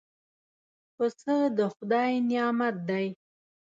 پسه د خدای نعمت دی.